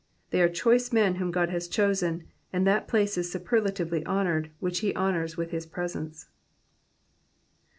They are choice men whom God has chosen, and that place is superlatively honoured which he honours with his presence.